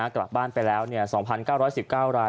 กลับบ้านไปแล้ว๒๙๑๙ราย